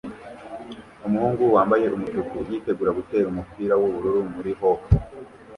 Umuhungu wambaye umutuku yitegura gutera umupira wubururu muri hop